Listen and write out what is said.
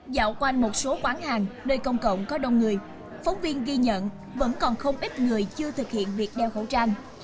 dạo quanh một số quán hàng nơi công cộng có đông người phóng viên ghi nhận vẫn còn không ít người chưa thực hiện việc đeo khẩu trang